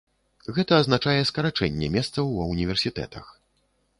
Гэта азначае скарачэнне месцаў ва ўніверсітэтах.